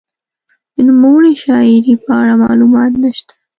د نوموړې شاعرې په اړه معلومات نشته.